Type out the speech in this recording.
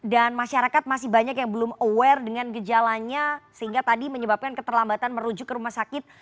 dan masyarakat masih banyak yang belum aware dengan gejalanya sehingga tadi menyebabkan keterlambatan merujuk ke rumah sakit